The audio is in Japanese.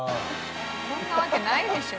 そんなわけないでしょ。